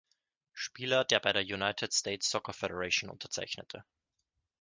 Spieler, der bei der United States Soccer Federation unterzeichnete.